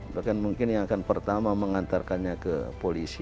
bahkan mungkin yang akan pertama mengantarkannya ke polisi